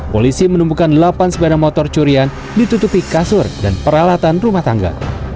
polisi menemukan delapan sepeda motor curian ditutupi kasur dan peralatan rumah tangga